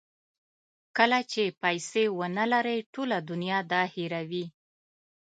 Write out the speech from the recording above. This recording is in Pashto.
کله چې پیسې ونلرئ ټوله دنیا دا هیروي.